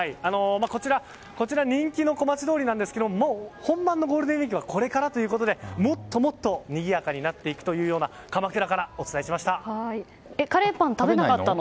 こちら人気の小町通りなんですが本番のゴールデンウィークはこれからということでもっともっとにぎやかになっていくというメイク